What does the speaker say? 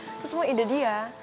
terus semua ide dia